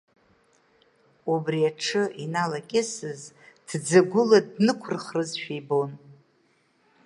Убри аҽы иналакьысыз, ҭӡагәыла днықәырхрызшәа ибон.